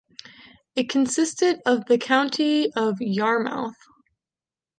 It consisted of the County of Yarmouth.